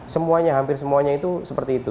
semuanya hampir semuanya itu seperti itu